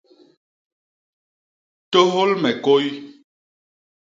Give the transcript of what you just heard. Tôhôl me kôy.